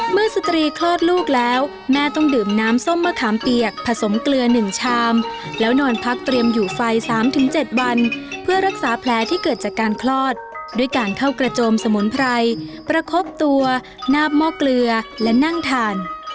สตรีคลอดลูกแล้วแม่ต้องดื่มน้ำส้มมะขามเปียกผสมเกลือ๑ชามแล้วนอนพักเตรียมอยู่ไฟ๓๗วันเพื่อรักษาแผลที่เกิดจากการคลอดด้วยการเข้ากระโจมสมุนไพรประคบตัวนาบหม้อเกลือและนั่งทาน